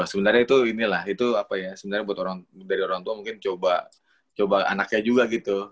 sebenarnya itu inilah itu apa ya sebenarnya buat orang dari orang tua mungkin coba anaknya juga gitu